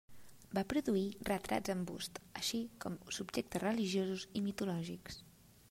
Va produir retrats en bust així com subjectes religiosos i mitològics.